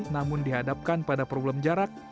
namun dihadapkan pada problem jarak